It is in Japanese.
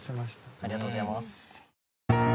ありがとうございます。